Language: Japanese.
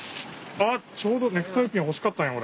あっちょうどネクタイピン欲しかったんや俺。